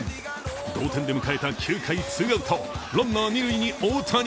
同点で迎えた９回ツーアウト、ランナー二塁に大谷。